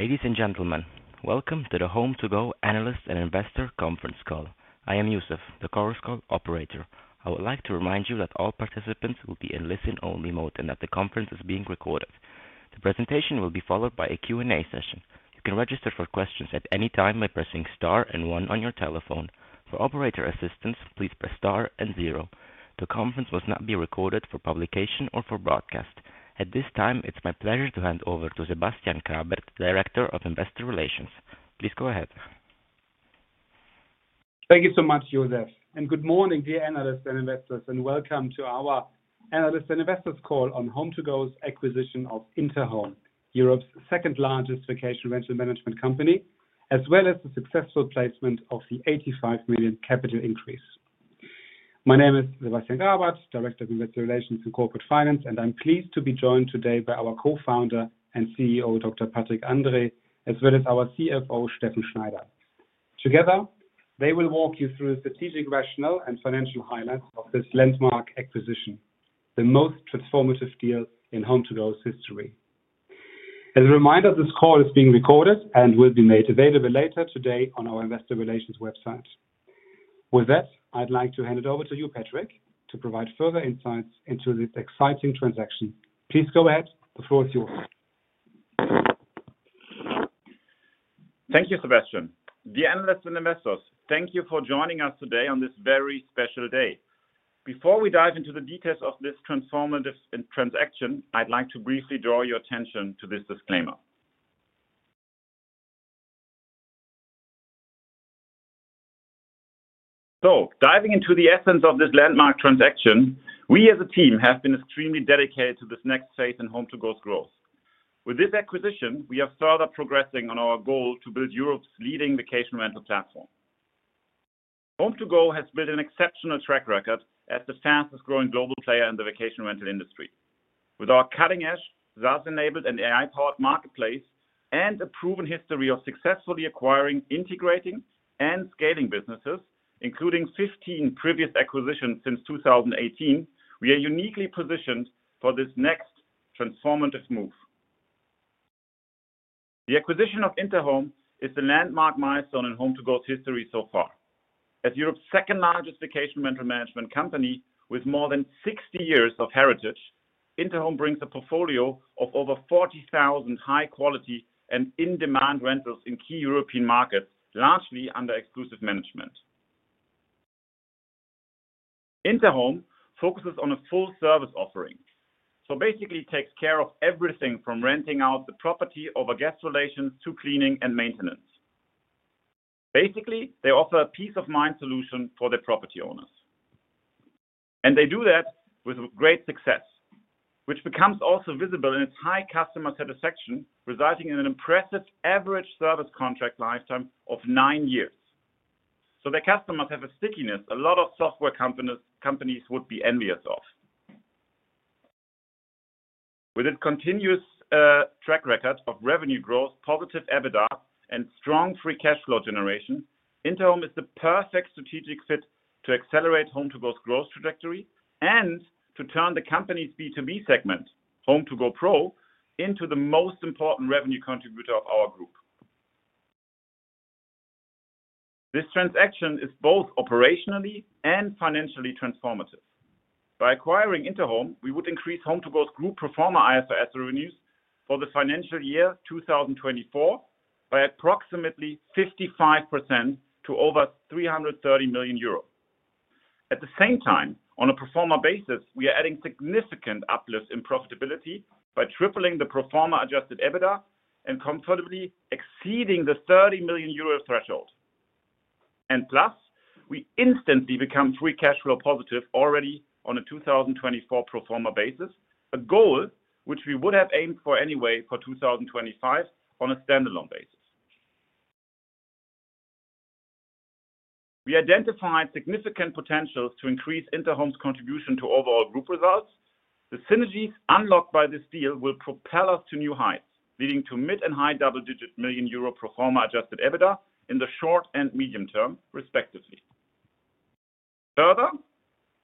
Ladies and gentlemen, welcome to the HomeToGo Analyst and Investor Conference Call. I am Yusuf, the Chorus Call operator. I would like to remind you that all participants will be in listen-only mode and that the conference is being recorded. The presentation will be followed by a Q&A session. You can register for questions at any time by pressing star and one on your telephone. For operator assistance, please press star and zero. The conference will not be recorded for publication or for broadcast. At this time, it's my pleasure to hand over to Sebastian Grabert, Director of Investor Relations. Please go ahead. Thank you so much, Yusuf, and good morning, dear analysts and investors, and welcome to our analysts and investors call on HomeToGo's acquisition of Interhome, Europe's second-largest vacation rental management company, as well as the successful placement of the 85 million capital increase. My name is Sebastian Grabert, Director of Investor Relations and Corporate Finance, and I'm pleased to be joined today by our Co-founder and CEO, Dr. Patrick Andrae, as well as our CFO, Steffen Schneider. Together, they will walk you through the strategic rationale and financial highlights of this landmark acquisition, the most transformative deal in HomeToGo's history. As a reminder, this call is being recorded and will be made available later today on our Investor Relations website. With that, I'd like to hand it over to you, Patrick, to provide further insights into this exciting transaction. Please go ahead. The floor is yours. Thank you, Sebastian. Dear analysts and investors, thank you for joining us today on this very special day. Before we dive into the details of this transformative transaction, I'd like to briefly draw your attention to this disclaimer. So, diving into the essence of this landmark transaction, we as a team have been extremely dedicated to this next phase in HomeToGo's growth. With this acquisition, we are further progressing on our goal to build Europe's leading vacation rental platform. HomeToGo has built an exceptional track record as the fastest-growing global player in the vacation rental industry. With our cutting-edge, SaaS-enabled, and AI-powered marketplace, and a proven history of successfully acquiring, integrating, and scaling businesses, including 15 previous acquisitions since 2018, we are uniquely positioned for this next transformative move. The acquisition of Interhome is a landmark milestone in HomeToGo's history so far. As Europe's second-largest vacation rental management company, with more than 60 years of heritage, Interhome brings a portfolio of over 40,000 high-quality and in-demand rentals in key European markets, largely under exclusive management. Interhome focuses on a full-service offering, so basically takes care of everything from renting out the property over guest relations to cleaning and maintenance. Basically, they offer a peace-of-mind solution for their property owners, and they do that with great success, which becomes also visible in its high customer satisfaction, resulting in an impressive average service contract lifetime of nine years, so their customers have a stickiness a lot of software companies would be envious of. With its continuous track record of revenue growth, positive EBITDA, and strong free cash flow generation, Interhome is the perfect strategic fit to accelerate HomeToGo's growth trajectory and to turn the company's B2B segment, HomeToGo Pro, into the most important revenue contributor of our group. This transaction is both operationally and financially transformative. By acquiring Interhome, we would increase HomeToGo's group pro forma IFRS revenues for the financial year 2024 by approximately 55% to over 330 million euros. At the same time, on a pro forma basis, we are adding significant uplift in profitability by tripling the pro forma-adjusted EBITDA and comfortably exceeding the 30 million euro threshold. And plus, we instantly become free cash flow positive already on a 2024 pro forma basis, a goal which we would have aimed for anyway for 2025 on a standalone basis. We identified significant potentials to increase Interhome's contribution to overall group results. The synergies unlocked by this deal will propel us to new heights, leading to mid- and high-double-digit million EUR pro forma-adjusted EBITDA in the short and medium term, respectively. Further,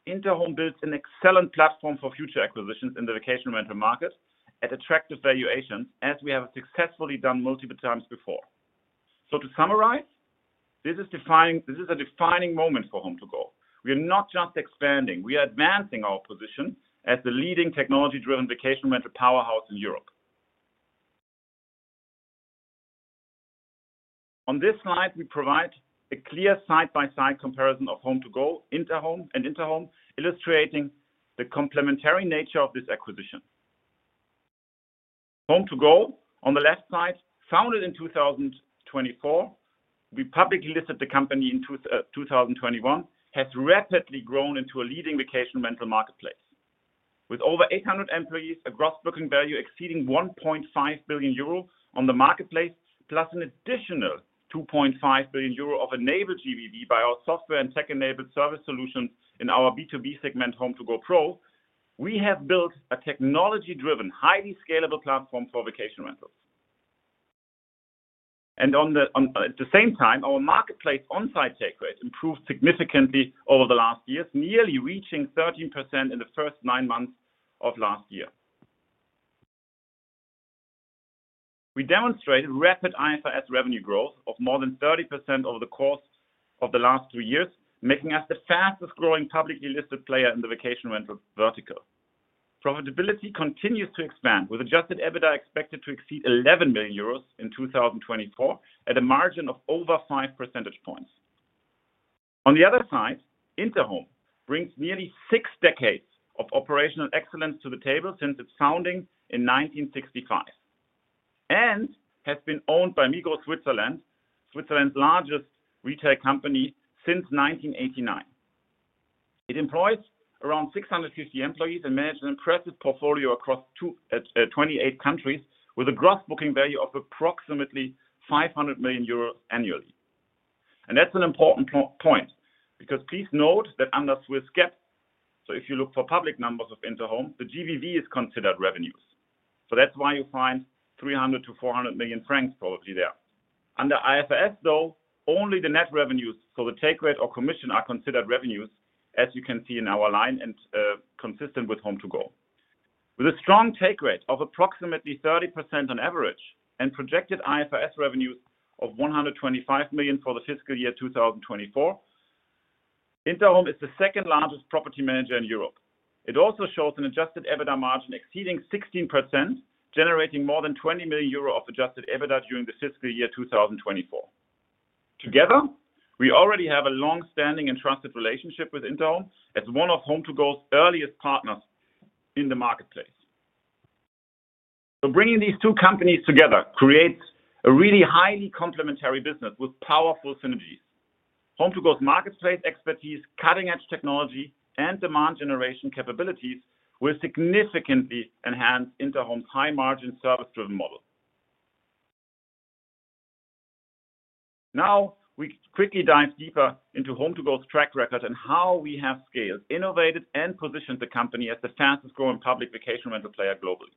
Interhome builds an excellent platform for future acquisitions in the vacation rental market at attractive valuations, as we have successfully done multiple times before. So to summarize, this is a defining moment for HomeToGo. We are not just expanding, we are advancing our position as the leading technology-driven vacation rental powerhouse in Europe. On this slide, we provide a clear side-by-side comparison of HomeToGo, Interhome, and Interhome, illustrating the complementary nature of this acquisition. HomeToGo, on the left side, founded in 2024, we publicly listed the company in 2021, has rapidly grown into a leading vacation rental marketplace with over 800 employees, a gross booking value exceeding 1.5 billion euro on the marketplace, plus an additional 2.5 billion euro of enabled GVV by our software and tech-enabled service solutions in our B2B segment, HomeToGo Pro. We have built a technology-driven, highly scalable platform for vacation rentals, and at the same time, our marketplace onsite take rate improved significantly over the last years, nearly reaching 13% in the first nine months of last year. We demonstrated rapid IFRS revenue growth of more than 30% over the course of the last three years, making us the fastest-growing publicly listed player in the vacation rental vertical. Profitability continues to expand, with Adjusted EBITDA expected to exceed 11 million euros in 2024 at a margin of over 5 percentage points. On the other side, Interhome brings nearly six decades of operational excellence to the table since its founding in 1965 and has been owned by Migros Switzerland, Switzerland's largest retail company since 1989. It employs around 650 employees and manages an impressive portfolio across 28 countries, with a gross booking value of approximately 500 million euro annually. And that's an important point because please note that under Swiss GAAP, so if you look for public numbers of Interhome, the GVV is considered revenues. So that's why you find 300 million-400 million francs probably there. Under IFRS, though, only the net revenues, so the take rate or commission, are considered revenues, as you can see in our line and consistent with HomeToGo. With a strong take rate of approximately 30% on average and projected IFRS revenues of 125 million for the fiscal year 2024, Interhome is the second-largest property manager in Europe. It also shows an adjusted EBITDA margin exceeding 16%, generating more than 20 million euro of adjusted EBITDA during the fiscal year 2024. Together, we already have a long-standing and trusted relationship with Interhome as one of HomeToGo's earliest partners in the marketplace, so bringing these two companies together creates a really highly complementary business with powerful synergies. HomeToGo's marketplace expertise, cutting-edge technology, and demand generation capabilities will significantly enhance Interhome's high-margin service-driven model. Now, we quickly dive deeper into HomeToGo's track record and how we have scaled, innovated, and positioned the company as the fastest-growing public vacation rental player globally.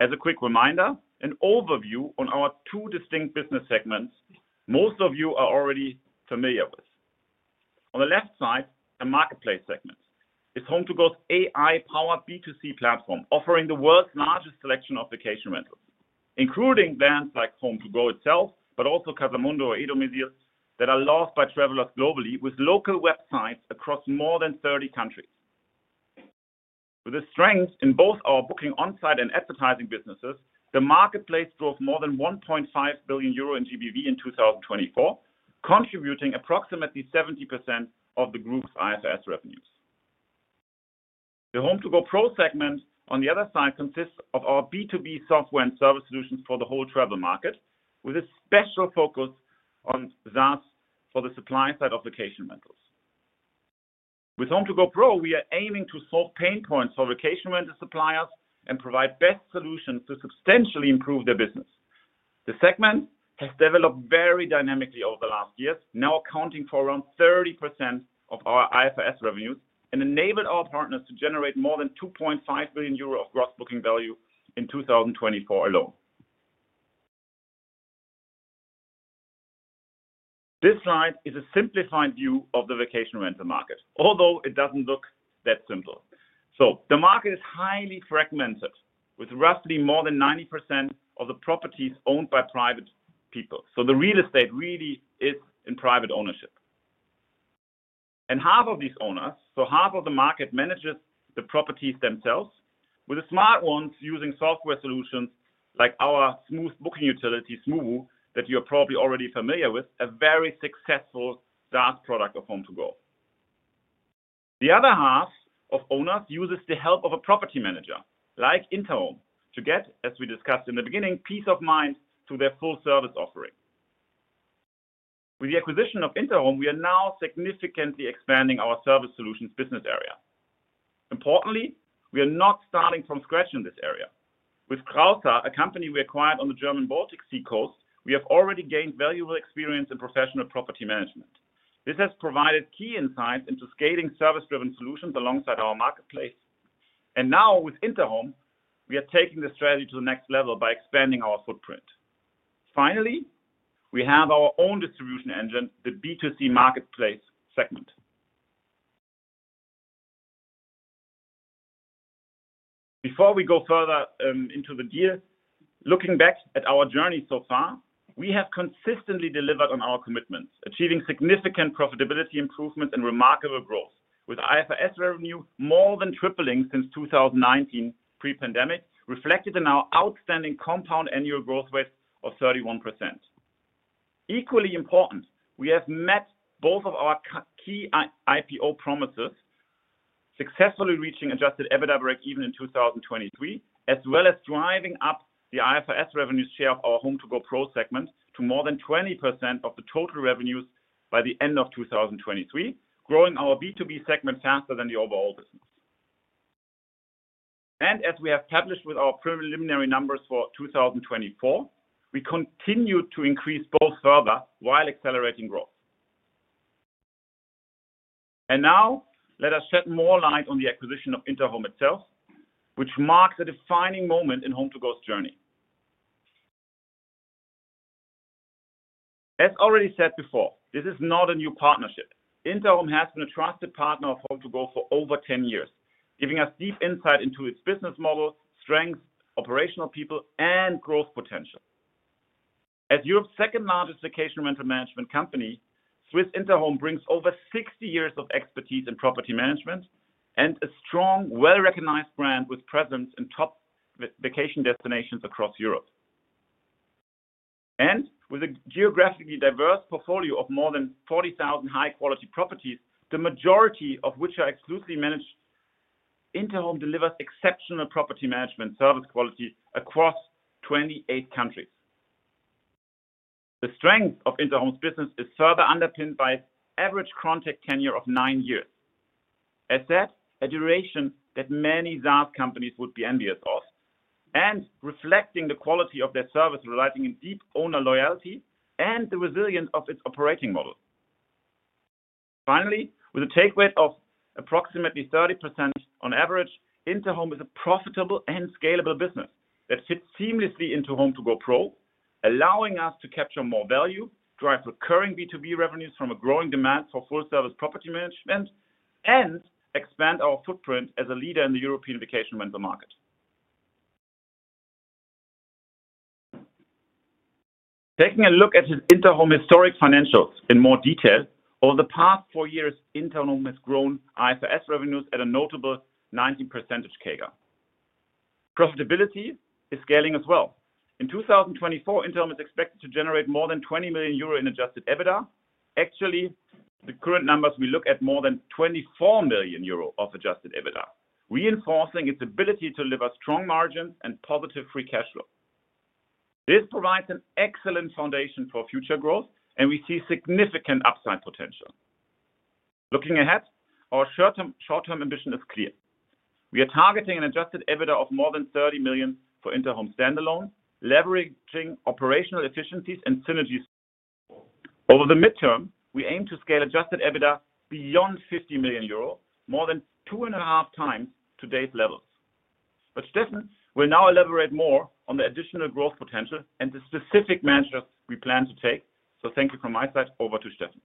As a quick reminder, an overview on our two distinct business segments most of you are already familiar with. On the left side, the marketplace segment is HomeToGo's AI-powered B2C platform, offering the world's largest selection of vacation rentals, including brands like HomeToGo itself, but also Casamundo, e-domizil, that are loved by travelers globally with local websites across more than 30 countries. With a strength in both our booking onsite and advertising businesses, the marketplace drove more than 1.5 billion euro in GVV in 2024, contributing approximately 70% of the group's IFRS revenues. The HomeToGo Pro segment, on the other side, consists of our B2B software and service solutions for the whole travel market, with a special focus on SaaS for the supply side of vacation rentals. With HomeToGo Pro, we are aiming to solve pain points for vacation rental suppliers and provide best solutions to substantially improve their business. The segment has developed very dynamically over the last years, now accounting for around 30% of our IFRS revenues and enabled our partners to generate more than 2.5 billion euro of gross booking value in 2024 alone. This slide is a simplified view of the vacation rental market, although it doesn't look that simple, so the market is highly fragmented, with roughly more than 90% of the properties owned by private people, so the real estate really is in private ownership, and half of these owners, so half of the market, manages the properties themselves, with the smart ones using software solutions like our Smoobu booking utility, Smoobu, that you are probably already familiar with, a very successful SaaS product of HomeToGo. The other half of owners uses the help of a property manager like Interhome to get, as we discussed in the beginning, peace of mind through their full-service offering. With the acquisition of Interhome, we are now significantly expanding our service solutions business area. Importantly, we are not starting from scratch in this area. With Kraushaar, a company we acquired on the German Baltic Sea coast, we have already gained valuable experience in professional property management. This has provided key insights into scaling service-driven solutions alongside our marketplace. And now, with Interhome, we are taking the strategy to the next level by expanding our footprint. Finally, we have our own distribution engine, the B2C marketplace segment. Before we go further into the deal, looking back at our journey so far, we have consistently delivered on our commitments, achieving significant profitability improvements and remarkable growth, with IFRS revenue more than tripling since 2019, pre-pandemic, reflected in our outstanding compound annual growth rate of 31%. Equally important, we have met both of our key IPO promises, successfully reaching adjusted EBITDA break even in 2023, as well as driving up the IFRS revenue share of our HomeToGo Pro segment to more than 20% of the total revenues by the end of 2023, growing our B2B segment faster than the overall business. And as we have published with our preliminary numbers for 2024, we continue to increase both further while accelerating growth. And now, let us shed more light on the acquisition of Interhome itself, which marks a defining moment in HomeToGo's journey. As already said before, this is not a new partnership. Interhome has been a trusted partner of HomeToGo for over 10 years, giving us deep insight into its business model, strengths, operational people, and growth potential. As Europe's second-largest vacation rental management company, Swiss Interhome brings over 60 years of expertise in property management and a strong, well-recognized brand with presence in top vacation destinations across Europe. And with a geographically diverse portfolio of more than 40,000 high-quality properties, the majority of which are exclusively managed, Interhome delivers exceptional property management service quality across 28 countries. The strength of Interhome's business is further underpinned by its average contract tenure of nine years. As said, a duration that many SaaS companies would be envious of, and reflecting the quality of their service resulting in deep owner loyalty and the resilience of its operating model. Finally, with a take rate of approximately 30% on average, Interhome is a profitable and scalable business that fits seamlessly into HomeToGo Pro, allowing us to capture more value, drive recurring B2B revenues from a growing demand for full-service property management, and expand our footprint as a leader in the European vacation rental market. Taking a look at Interhome's historic financials in more detail, over the past four years, Interhome has grown IFRS revenues at a notable 19% CAGR. Profitability is scaling as well. In 2024, Interhome is expected to generate more than 20 million euro in adjusted EBITDA. Actually, the current numbers we look at more than 24 million euro of adjusted EBITDA, reinforcing its ability to deliver strong margins and positive free cash flow. This provides an excellent foundation for future growth, and we see significant upside potential. Looking ahead, our short-term ambition is clear. We are targeting an adjusted EBITDA of more than 30 million for Interhome standalone, leveraging operational efficiencies and synergies. Over the midterm, we aim to scale adjusted EBITDA beyond 50 million euro, more than two and a half times today's levels. But Steffen will now elaborate more on the additional growth potential and the specific measures we plan to take. So thank you from my side. Over to Steffen.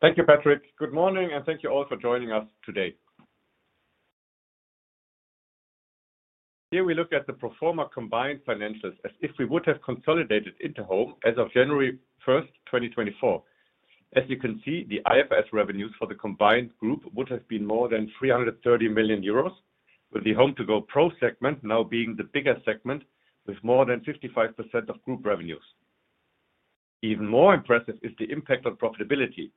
Thank you, Patrick. Good morning, and thank you all for joining us today. Here we look at the pro forma combined financials as if we would have consolidated Interhome as of January 1st, 2024. As you can see, the IFRS revenues for the combined group would have been more than 330 million euros, with the HomeToGo Pro segment now being the biggest segment, with more than 55% of group revenues. Even more impressive is the impact on profitability.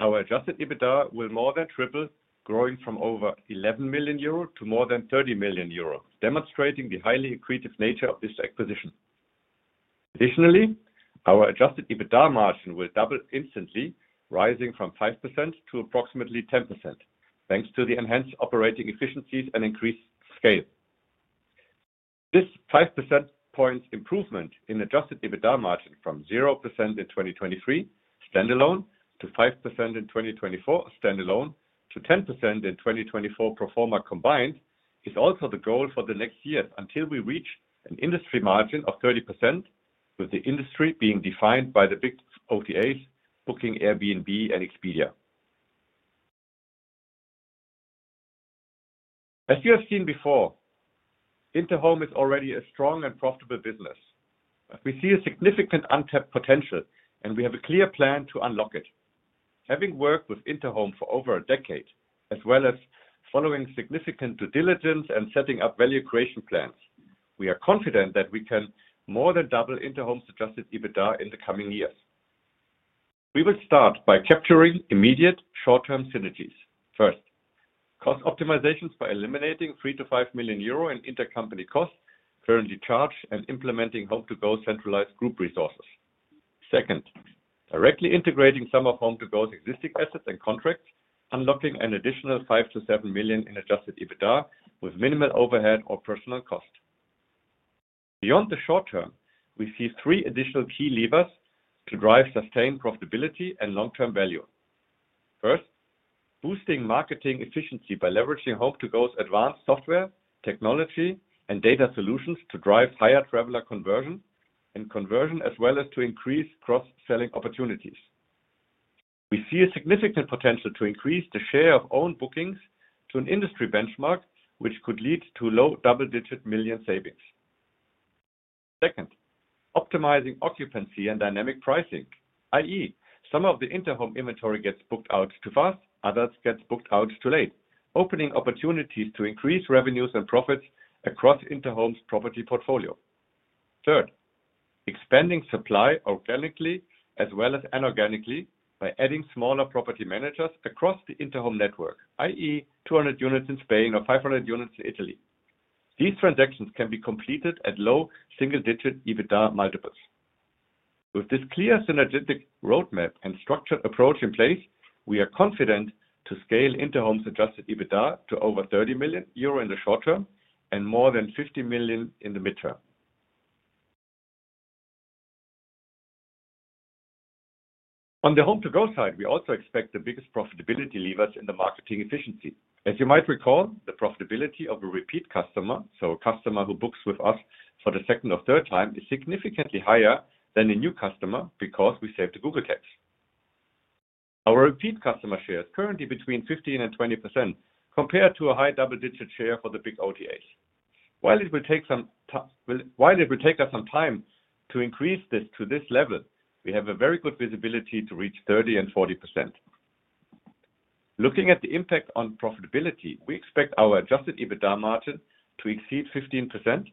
Our adjusted EBITDA will more than triple, growing from over 11 million euro to more than 30 million euro, demonstrating the highly accretive nature of this acquisition. Additionally, our adjusted EBITDA margin will double instantly, rising from 5% to approximately 10%, thanks to the enhanced operating efficiencies and increased scale. This 5 percentage points improvement in adjusted EBITDA margin from 0% in 2023 standalone to 5% in 2024 standalone to 10% in 2024 pro forma combined is also the goal for the next year until we reach an industry margin of 30%, with the industry being defined by the big OTAs, Booking, Airbnb and Expedia. As you have seen before, Interhome is already a strong and profitable business. We see a significant untapped potential, and we have a clear plan to unlock it. Having worked with Interhome for over a decade, as well as following significant due diligence and setting up value creation plans, we are confident that we can more than double Interhome's Adjusted EBITDA in the coming years. We will start by capturing immediate short-term synergies. First, cost optimizations by eliminating 3-5 million euro in intercompany costs currently charged and implementing HomeToGo centralized group resources. Second, directly integrating some of HomeToGo's existing assets and contracts, unlocking an additional 5-7 million in Adjusted EBITDA with minimal overhead or personal cost. Beyond the short term, we see three additional key levers to drive sustained profitability and long-term value. First, boosting marketing efficiency by leveraging HomeToGo's advanced software, technology, and data solutions to drive higher traveler conversion, as well as to increase cross-selling opportunities. We see a significant potential to increase the share of own bookings to an industry benchmark, which could lead to low double-digit million savings. Second, optimizing occupancy and dynamic pricing, i.e., some of the Interhome inventory gets booked out too fast, others get booked out too late, opening opportunities to increase revenues and profits across Interhome's property portfolio. Third, expanding supply organically as well as inorganically by adding smaller property managers across the Interhome network, i.e., 200 units in Spain or 500 units in Italy. These transactions can be completed at low single-digit EBITDA multiples. With this clear synergistic roadmap and structured approach in place, we are confident to scale Interhome's Adjusted EBITDA to over 30 million euro in the short term and more than 50 million in the midterm. On the HomeToGo side, we also expect the biggest profitability levers in the marketing efficiency. As you might recall, the profitability of a repeat customer, so a customer who books with us for the second or third time, is significantly higher than a new customer because we save the Google tax. Our repeat customer share is currently between 15%-20% compared to a high double-digit share for the big OTAs. While it will take some time to increase this to this level, we have a very good visibility to reach 30%-40%. Looking at the impact on profitability, we expect our Adjusted EBITDA margin to exceed 15%,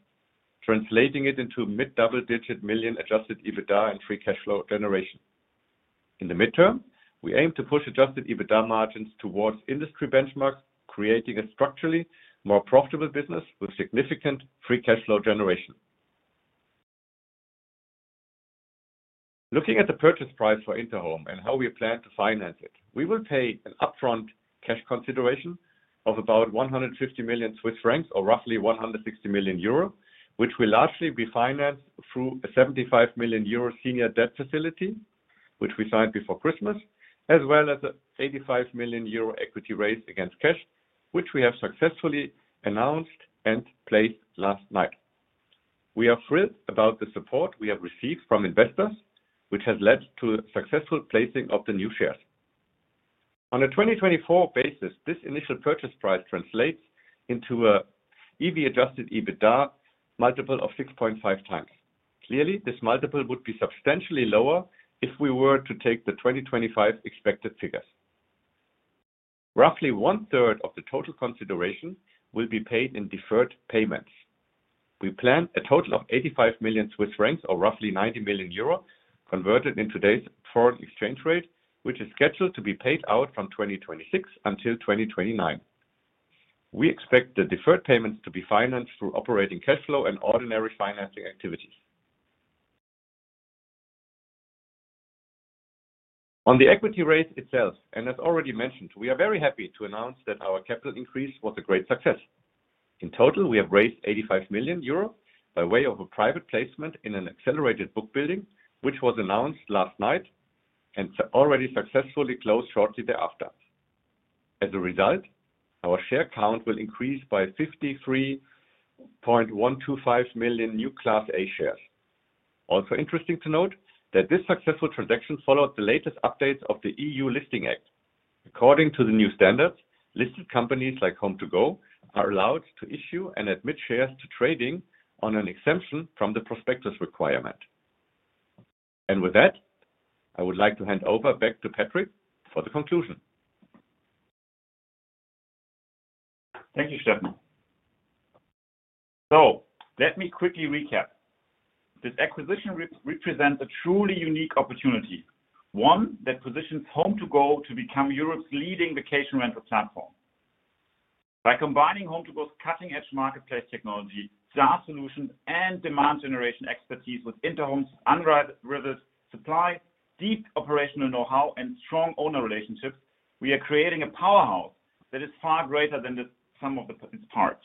translating it into mid-double-digit million Adjusted EBITDA and Free Cash Flow generation. In the midterm, we aim to push Adjusted EBITDA margins towards industry benchmarks, creating a structurally more profitable business with significant Free Cash Flow generation. Looking at the purchase price for Interhome and how we plan to finance it, we will pay an upfront cash consideration of about 150 million Swiss francs or roughly 160 million euros, which will largely be financed through a 75 million euro senior debt facility, which we signed before Christmas, as well as a 85 million euro equity raise against cash, which we have successfully announced and placed last night. We are thrilled about the support we have received from investors, which has led to successful placing of the new shares. On a 2024 basis, this initial purchase price translates into an EV adjusted EBITDA multiple of 6.5 times. Clearly, this multiple would be substantially lower if we were to take the 2025 expected figures. Roughly one-third of the total consideration will be paid in deferred payments. We plan a total of 85 million Swiss francs or roughly 90 million euro converted in today's foreign exchange rate, which is scheduled to be paid out from 2026 until 2029. We expect the deferred payments to be financed through operating cash flow and ordinary financing activities. On the equity raise itself, and as already mentioned, we are very happy to announce that our capital increase was a great success. In total, we have raised 85 million euro by way of a private placement in an accelerated book building, which was announced last night and already successfully closed shortly thereafter. As a result, our share count will increase by 53.125 million new Class A shares. Also interesting to note that this successful transaction followed the latest updates of the EU Listing Act. According to the new standards, listed companies like HomeToGo are allowed to issue and admit shares to trading on an exemption from the prospectus requirement. And with that, I would like to hand over back to Patrick for the conclusion. Thank you, Steffen. So let me quickly recap. This acquisition represents a truly unique opportunity, one that positions HomeToGo to become Europe's leading vacation rental platform. By combining HomeToGo's cutting-edge marketplace technology, SaaS solutions, and demand generation expertise with Interhome's unrivaled supply, deep operational know-how, and strong owner relationships, we are creating a powerhouse that is far greater than the sum of its parts.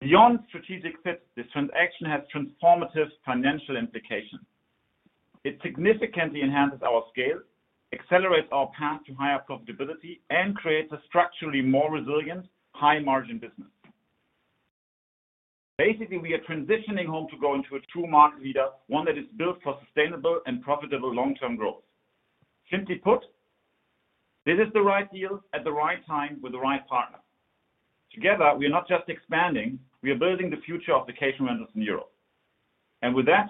Beyond strategic fit, this transaction has transformative financial implications. It significantly enhances our scale, accelerates our path to higher profitability, and creates a structurally more resilient, high-margin business. Basically, we are transitioning HomeToGo into a true market leader, one that is built for sustainable and profitable long-term growth. Simply put, this is the right deal at the right time with the right partner. Together, we are not just expanding. We are building the future of vacation rentals in Europe, and with that,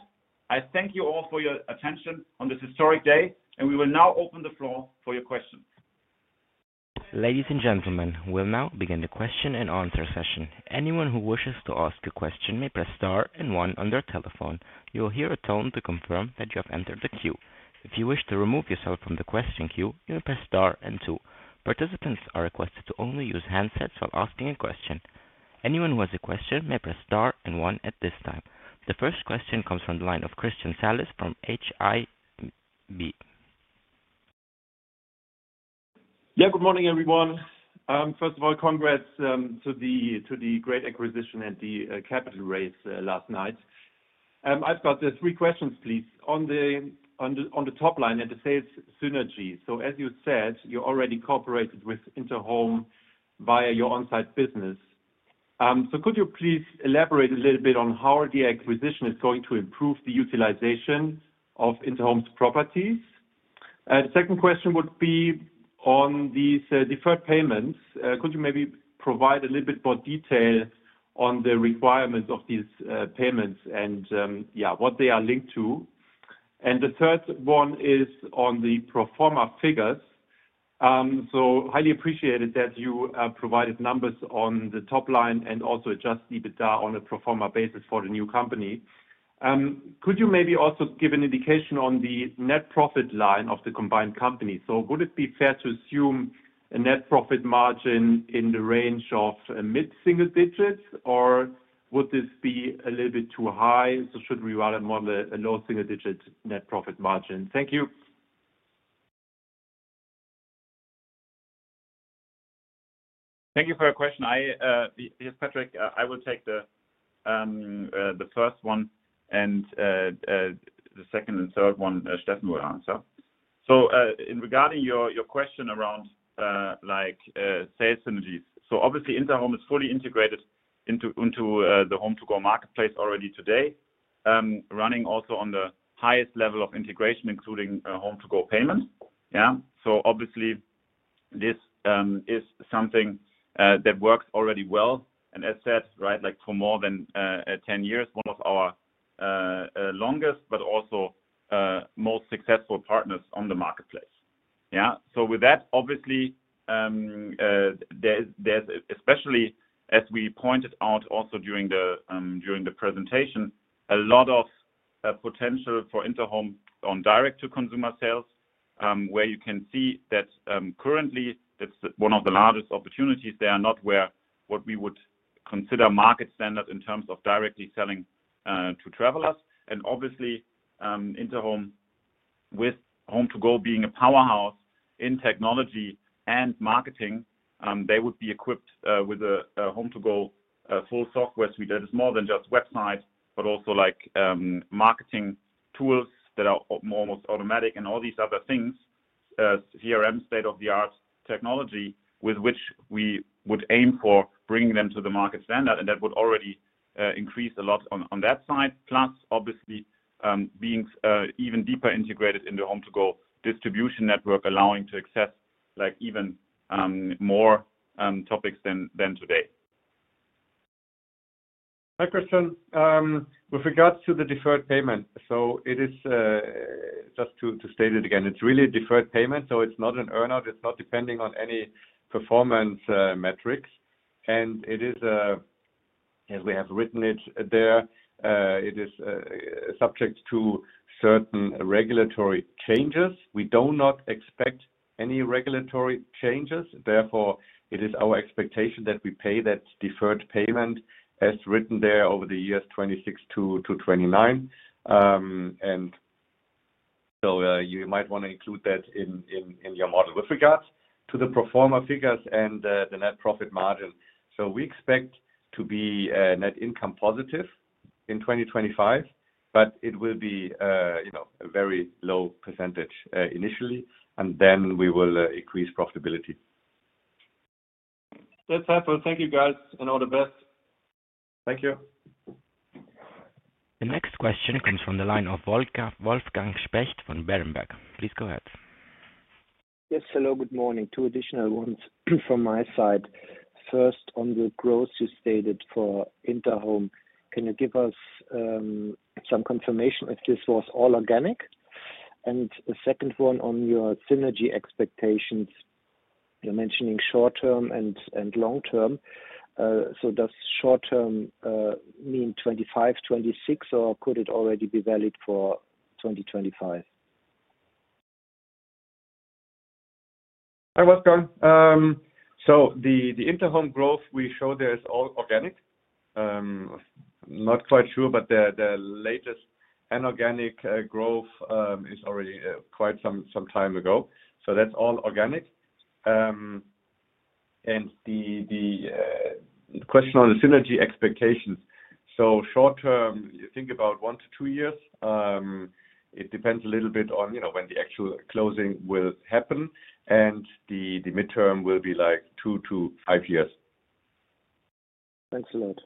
I thank you all for your attention on this historic day, and we will now open the floor for your questions. Ladies and gentlemen, we will now begin the question and answer session. Anyone who wishes to ask a question may press Star and 1 on their telephone. You will hear a tone to confirm that you have entered the queue. If you wish to remove yourself from the question queue, you may press Star and 2. Participants are requested to only use handsets while asking a question. Anyone who has a question may press Star and 1 at this time. The first question comes from the line of Christian Salis from HAIB. Yeah, good morning, everyone. First of all, congrats to the great acquisition and the capital raise last night. I've got three questions, please. On the top line and the sales synergy, so as you said, you already cooperated with Interhome via your on-site business. So could you please elaborate a little bit on how the acquisition is going to improve the utilization of Interhome's properties? The second question would be on these deferred payments. Could you maybe provide a little bit more detail on the requirements of these payments and what they are linked to? And the third one is on the pro forma figures. Highly appreciated that you provided numbers on the top line and also adjusted EBITDA on a pro forma basis for the new company. Could you maybe also give an indication on the net profit line of the combined company? So would it be fair to assume a net profit margin in the range of mid-single digits, or would this be a little bit too high? So should we rather model a low single-digit net profit margin? Thank you. Thank you for your question. Yes, Patrick, I will take the first one, and the second and third one, Steffen will answer. So regarding your question around sales synergies, so obviously, Interhome is fully integrated into the HomeToGo marketplace already today, running also on the highest level of integration, including HomeToGo payments. So obviously, this is something that works already well. And, as said, for more than 10 years, one of our longest, but also most successful partners on the marketplace. So, with that, obviously, there's especially, as we pointed out also during the presentation, a lot of potential for Interhome on direct-to-consumer sales, where you can see that currently, that's one of the largest opportunities. They are not where what we would consider market standard in terms of directly selling to travelers. And obviously, Interhome, with HomeToGo being a powerhouse in technology and marketing, they would be equipped with a HomeToGo full software suite that is more than just website, but also marketing tools that are almost automatic and all these other things, CRM state-of-the-art technology, with which we would aim for bringing them to the market standard. And that would already increase a lot on that side, plus obviously being even deeper integrated into HomeToGo distribution network, allowing to access even more topics than today. Hi, Christian. With regards to the deferred payment, so it is just to state it again, it's really a deferred payment, so it's not an earn-out. It's not depending on any performance metrics. And it is, as we have written it there, it is subject to certain regulatory changes. We do not expect any regulatory changes. Therefore, it is our expectation that we pay that deferred payment as written there over the years 2026-2029. And so you might want to include that in your model. With regards to the pro forma figures and the net profit margin, so we expect to be net income positive in 2025, but it will be a very low percentage initially, and then we will increase profitability. That's helpful. Thank you, guys, and all the best. Thank you. The next question comes from the line of Wolfgang Specht from Berenberg. Please go ahead. Yes, hello, good morning. Two additional ones from my side. First, on the growth you stated for Interhome, can you give us some confirmation if this was all organic? And the second one on your synergy expectations, you're mentioning short-term and long-term. So does short-term mean 2025, 2026, or could it already be valid for 2025? Hi, Wolfgang. So the Interhome growth we showed there is all organic. Not quite sure, but the latest inorganic growth is already quite some time ago. So that's all organic. And the question on the synergy expectations, so short-term, you think about one to two years. It depends a little bit on when the actual closing will happen, and the midterm will be like two to five years. Thanks a lot.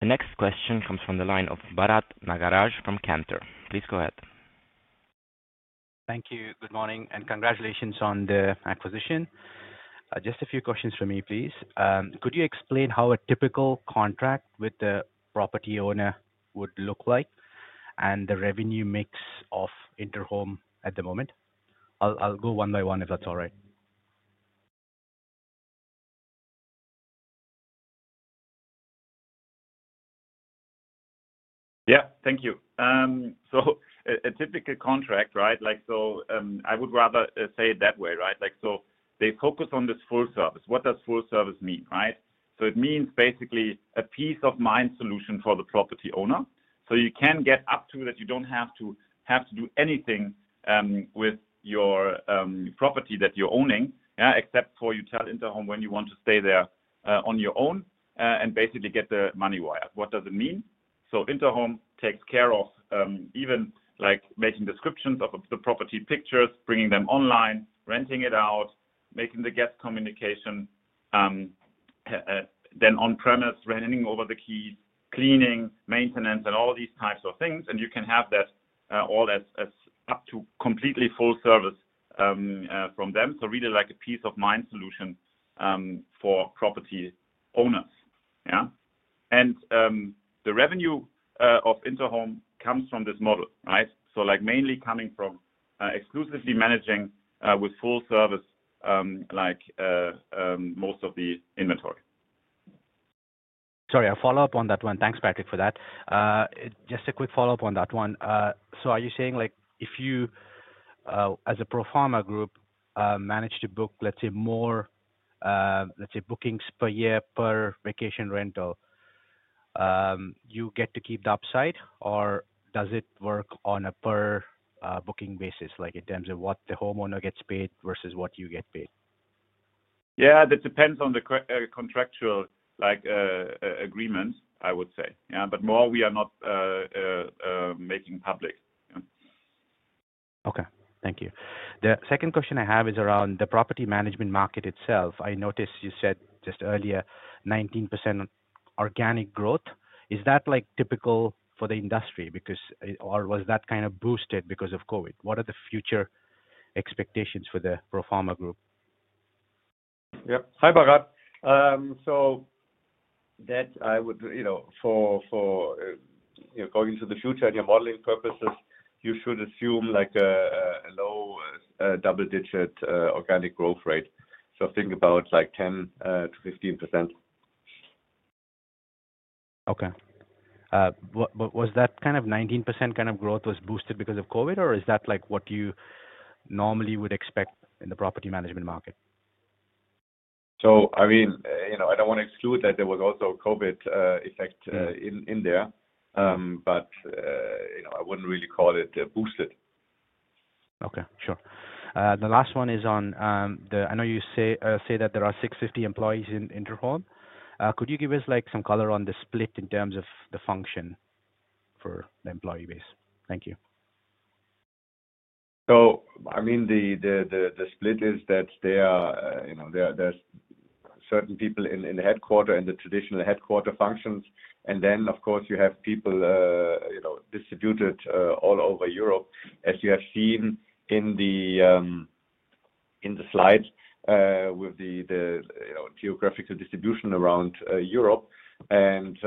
The next question comes from the line of Bharath Nagaraj from Cantor. Please go ahead. Thank you. Good morning and congratulations on the acquisition. Just a few questions from me, please. Could you explain how a typical contract with the property owner would look like and the revenue mix of Interhome at the moment? I'll go one by one if that's all right. Yeah, thank you. So a typical contract, right? So I would rather say it that way, right? So they focus on this full service. What does full service mean? So it means basically a peace of mind solution for the property owner. So you can get up to that you don't have to do anything with your property that you're owning, except for you tell Interhome when you want to stay there on your own and basically get the money wired. What does it mean? So Interhome takes care of even making descriptions of the property, pictures, bringing them online, renting it out, making the guest communication, then on-premises, handing over the keys, cleaning, maintenance, and all these types of things. And you can have that all, up to completely full service from them. So really like a peace of mind solution for property owners. And the revenue of Interhome comes from this model, right? So mainly coming from exclusively managing with full service like most of the inventory. Sorry, I'll follow up on that one. Thanks, Patrick, for that. Just a quick follow-up on that one. So are you saying if you, as a pro forma group, manage to book, let's say, more bookings per year per vacation rental, you get to keep the upside, or does it work on a per booking basis in terms of what the homeowner gets paid versus what you get paid? Yeah, that depends on the contractual agreement, I would say. But more we are not making public. Okay, thank you. The second question I have is around the property management market itself. I noticed you said just earlier 19% organic growth. Is that typical for the industry or was that kind of boosted because of COVID? What are the future expectations for the pro forma group? Yep. Hi, Bharath. So that I would, for going to the future and your modeling purposes, you should assume a low double-digit organic growth rate. So think about 10%-15%. Okay. Was that kind of 19% kind of growth was boosted because of COVID, or is that what you normally would expect in the property management market? So I mean, I don't want to exclude that there was also a COVID effect in there, but I wouldn't really call it boosted. Okay, sure. The last one is on the. I know you say that there are 650 employees in Interhome. Could you give us some color on the split in terms of the function for the employee base? Thank you. So I mean, the split is that there are certain people in the headquarters and the traditional headquarters functions. And then, of course, you have people distributed all over Europe, as you have seen in the slides with the geographical distribution around Europe. And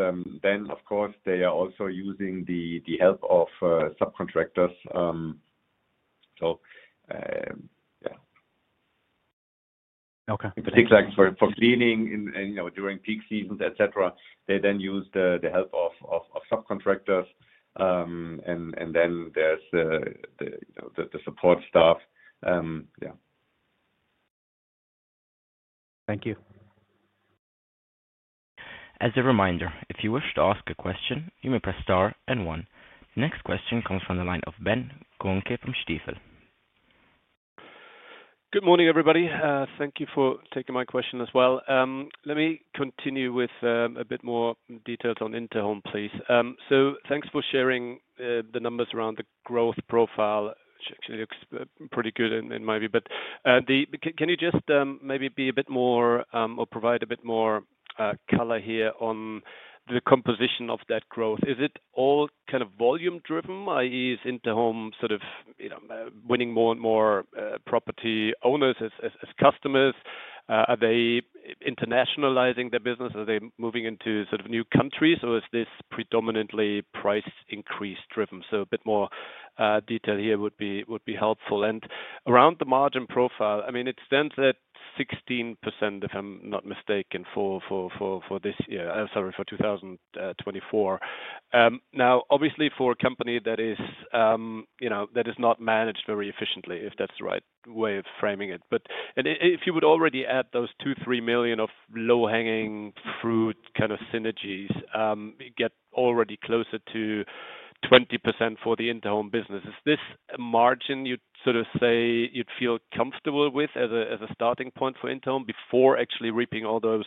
then, of course, they are also using the help of subcontractors. So yeah. In particular, for cleaning during peak seasons, etc., they then use the help of subcontractors, and then there's the support staff. Yeah. Thank you. As a reminder, if you wish to ask a question, you may press star and 1. The next question comes from the line of Ben Kohnke from Stifel. Good morning, everybody. Thank you for taking my question as well. Let me continue with a bit more details on Interhome, please, so thanks for sharing the numbers around the growth profile. It actually looks pretty good in my view, but can you just maybe be a bit more or provide a bit more color here on the composition of that growth? Is it all kind of volume-driven, i.e., is Interhome sort of winning more and more property owners as customers? Are they internationalizing their business? Are they moving into sort of new countries? Or is this predominantly price increase-driven? So a bit more detail here would be helpful and around the margin profile, I mean, it stands at 16%, if I'm not mistaken, for this year, sorry, for 2024. Now, obviously, for a company that is not managed very efficiently, if that's the right way of framing it, but if you would already add those two, three million of low-hanging fruit kind of synergies, you get already closer to 20% for the Interhome business. Is this a margin you'd sort of say you'd feel comfortable with as a starting point for Interhome before actually reaping all those,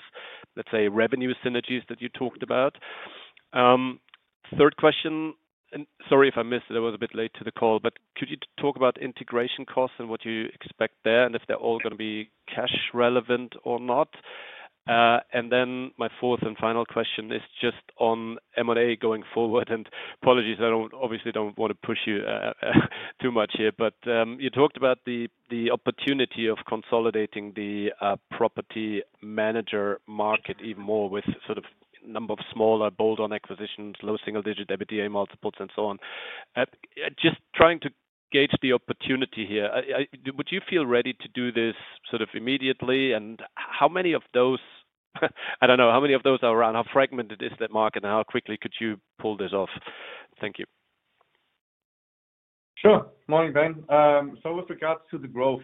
let's say, revenue synergies that you talked about? Third question, and sorry if I missed it. I was a bit late to the call, but could you talk about integration costs and what you expect there and if they're all going to be cash-relevant or not? And then my fourth and final question is just on M&A going forward. And apologies, I obviously don't want to push you too much here, but you talked about the opportunity of consolidating the property manager market even more with sort of number of smaller bolt-on acquisitions, low single-digit EBITDA multiples, and so on. Just trying to gauge the opportunity here. Would you feel ready to do this sort of immediately? And how many of those, I don't know, how many of those are around? How fragmented is that market, and how quickly could you pull this off? Thank you. Sure. Good morning, Ben. So with regards to the growth,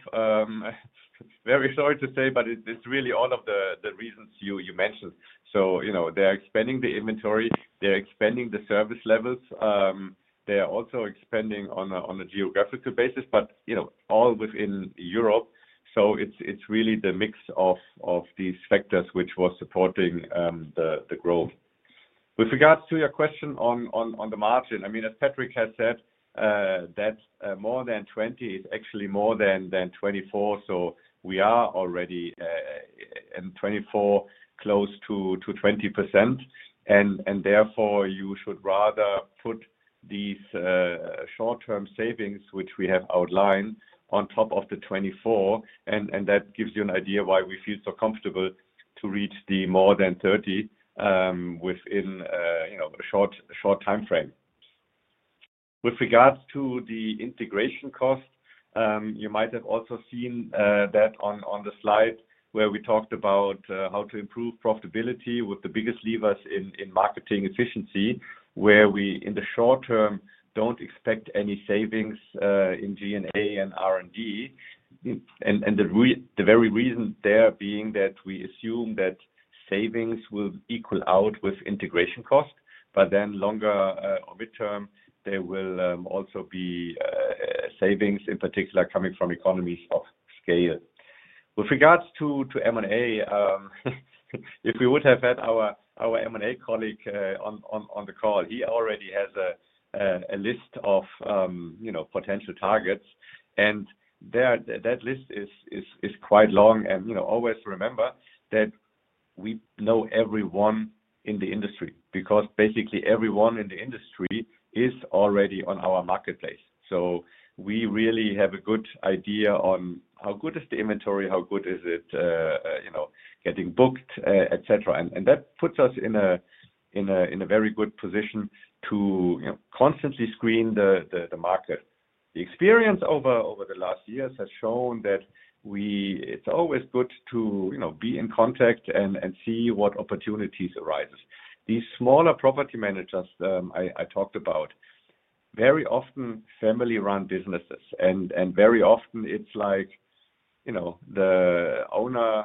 very sorry to say, but it's really all of the reasons you mentioned. So they're expanding the inventory. They're expanding the service levels. They're also expanding on a geographical basis, but all within Europe. So it's really the mix of these factors which was supporting the growth. With regards to your question on the margin, I mean, as Patrick has said, that more than 20% is actually more than 24%. So we are already in 24%, close to 20%. And therefore, you should rather put these short-term savings, which we have outlined, on top of the 24%. And that gives you an idea why we feel so comfortable to reach the more than 30% within a short time frame. With regards to the integration cost, you might have also seen that on the slide where we talked about how to improve profitability with the biggest levers in marketing efficiency, where we in the short term don't expect any savings in G&A and R&D. And the very reason there being that we assume that savings will equal out with integration cost, but then longer or midterm, there will also be savings, in particular, coming from economies of scale. With regards to M&A, if we would have had our M&A colleague on the call, he already has a list of potential targets. And that list is quite long. And always remember that we know everyone in the industry because basically everyone in the industry is already on our marketplace. So we really have a good idea on how good is the inventory, how good is it getting booked, etc. And that puts us in a very good position to constantly screen the market. The experience over the last years has shown that it's always good to be in contact and see what opportunities arise. These smaller property managers I talked about, very often family-run businesses. Very often it's like the owner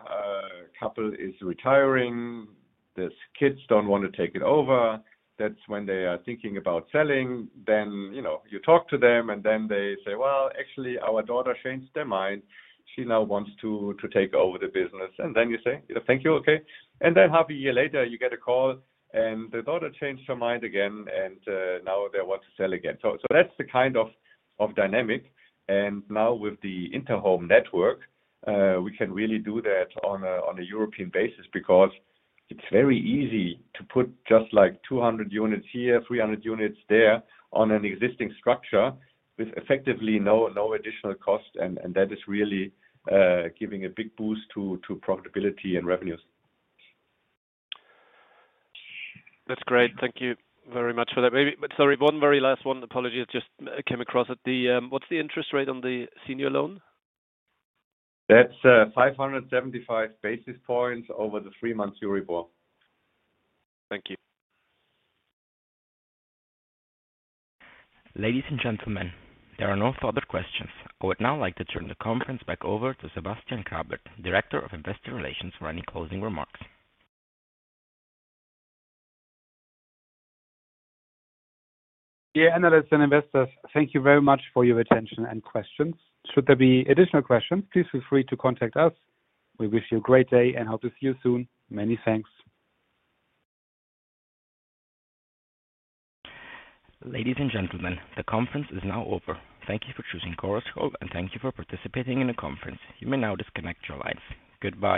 couple is retiring, the kids don't want to take it over. That's when they are thinking about selling. Then you talk to them, and then they say, "Well, actually, our daughter changed her mind. She now wants to take over the business." And then you say, "Thank you. Okay." And then half a year later, you get a call, and the daughter changed her mind again, and now they want to sell again. So that's the kind of dynamic. And now with the Interhome network, we can really do that on a European basis because it's very easy to put just like 200 units here, 300 units there on an existing structure with effectively no additional cost. And that is really giving a big boost to profitability and revenues. That's great. Thank you very much for that. Sorry, one very last one. Apologies, just came across it. What's the interest rate on the senior loan? That's 575 basis points over the three-month Euribor. Thank you. Ladies and gentlemen, there are no further questions. I would now like to turn the conference back over to Sebastian Grabert, Director of Investor Relations, for any closing remarks. Dear analysts and investors, thank you very much for your attention and questions. Should there be additional questions, please feel free to contact us. We wish you a great day and hope to see you soon. Many thanks. Ladies and gentlemen, the conference is now over. Thank you for choosing Chorus Call, and thank you for participating in the conference. You may now disconnect your lines. Goodbye.